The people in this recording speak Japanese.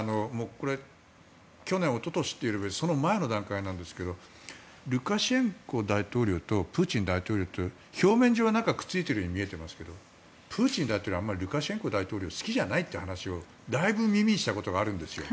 これは去年、一昨年というよりその前の段階なんですけどルカシェンコ大統領とプーチン大統領って表面上はくっついているように見えるんですけどプーチン大統領はルカシェンコ大統領をあまり好きじゃないという話をだいぶ耳にしたことがあるんですよ。